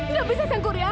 nggak bisa sankuria